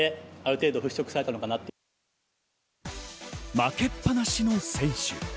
負けっぱなしの選手。